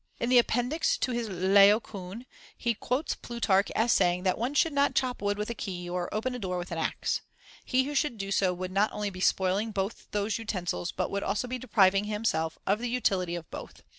In the appendix to his Laocoön, he quotes Plutarch as saying that one should not chop wood with a key, or open the door with an axe. He who should do so would not only be spoiling both those utensils, but would also be depriving himself of the utility of both.